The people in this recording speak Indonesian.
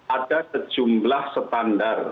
ada sejumlah standar